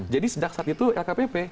jadi sejak saat itu lkpp